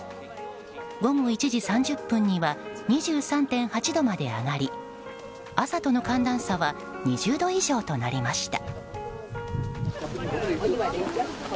午後１時３０分には２３．８度まで上がり朝との寒暖差は２０度以上となりました。